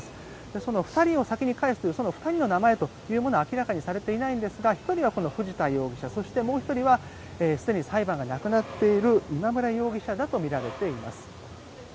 その２人を先に帰すという２人の名前というものは明らかにされていないんですが１人はこの藤田容疑者そして、もう１人はすでに裁判がなくなっている今村容疑者だとみられています。